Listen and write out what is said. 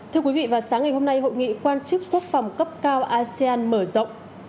thưa quý vị vào sáng ngày hôm nay hội nghị quan chức quốc phòng cấp cao asean mở rộng